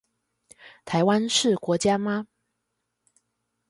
台灣是國家嗎